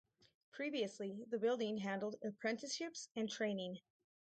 Previously the building handled apprenticeships and training.